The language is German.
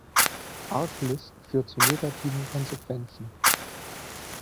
Arglist führt zu negativen Konsequenzen.